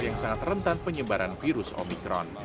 yang sangat rentan penyebaran virus omikron